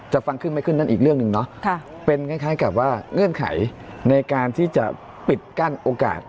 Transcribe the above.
ฟังขึ้นไม่ขึ้นนั่นอีกเรื่องหนึ่งเนาะเป็นคล้ายกับว่าเงื่อนไขในการที่จะปิดกั้นโอกาส